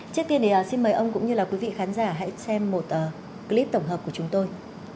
trước tiên thì xin mời ông cũng như là quý vị khán giả hãy xem một clip tổng hợp của chúng tôi